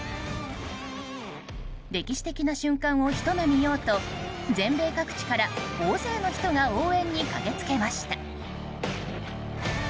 歴史的な瞬間をひと目見ようと全米各地から大勢の人が応援に駆け付けました。